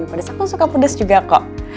yang pades aku suka pades juga kok